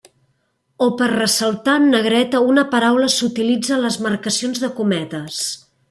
O per ressaltar en negreta una paraula s'utilitza les marcacions de cometes.